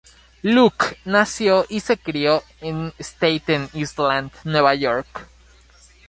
Luke nació y se crio en Staten Island, Nueva York.